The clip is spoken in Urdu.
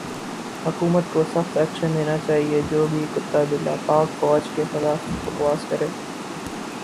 حکومت کو سخت ایکشن لینا چایئے جو بھی کتا بلا پاک فوج کے خلاف بکواس کرے